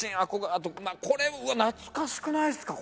あとこれうわっ懐かしくないですか？